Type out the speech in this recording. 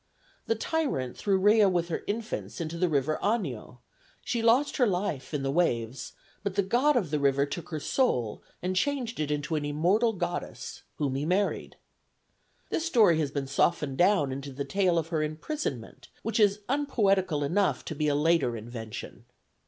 The tyrant threw Rea with her infants into the river Anio: she lost her life in the waves, but the god of the river took her soul and changed it into an immortal goddess, whom he married. This story has been softened down into the tale of her imprisonment, which is unpoetical enough to be a later invention.